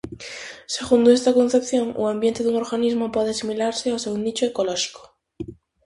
Segundo esta concepción, o ambiente dun organismo pode asimilarse ao seu nicho ecolóxico.